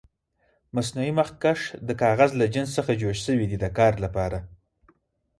مصنوعي مخکش د کاغذ له جنس څخه جوړ شوي دي د کار لپاره.